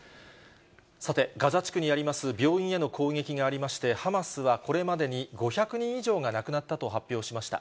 さて、ガザ地区にあります病院への攻撃がありまして、ハマスはこれまでに５００人以上が亡くなったと発表しました。